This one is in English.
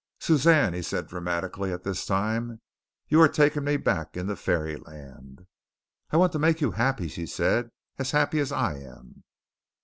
"Suzanne," he said dramatically at this time, "you are taking me back into fairyland." "I want to make you happy," she said, "as happy as I am."